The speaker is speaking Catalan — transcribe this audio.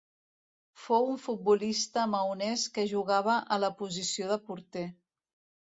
Fou un futbolista maonès que jugava a la posició de porter.